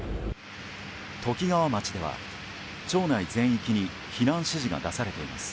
ときがわ町では町内全域に避難指示が出されています。